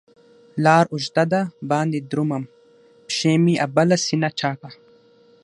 لار اوږده ده باندې درومم، پښي مې ابله سینه چاکه